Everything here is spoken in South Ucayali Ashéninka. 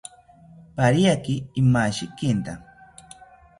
Pariaki imashikinta